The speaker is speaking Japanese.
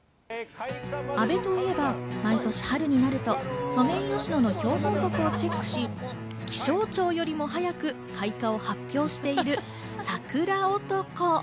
阿部といえば毎年春になるとソメイヨシノの標本木をチェックし、気象庁よりも早く開花を発表しているサクラ男。